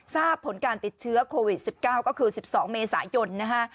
ทราบผลการติดเชื้อโควิด๑๙ก็คือ๑๒เมษายนนะฮะ